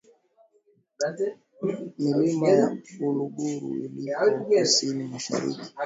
Milima ya Uluguru iliyopo Kusini Mashariki